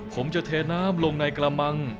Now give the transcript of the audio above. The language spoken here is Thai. ผมจะเทน้ำลงในกระมัง